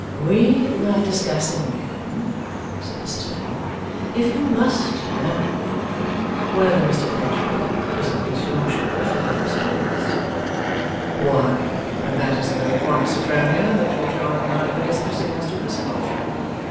'We were discussing then,' said Mrs Lammle, 'if you MUST know, Alfred, whether Mr Fledgeby was in his usual flow of spirits.' 'Why, that is the very point, Sophronia, that Georgiana and I were discussing as to herself!